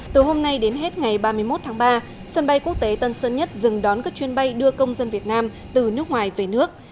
từ hôm nay đến hết ngày ba mươi một tháng ba sân bay quốc tế tân sơn nhất dừng đón các chuyên bay đưa công dân việt nam từ nước ngoài về nước